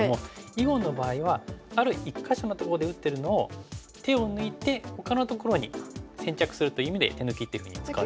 囲碁の場合はある一か所のとこで打ってるのを手を抜いてほかのところに先着するという意味で手抜きっていうふうに使う。